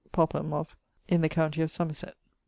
Popham, of ... in the countie of Somerset.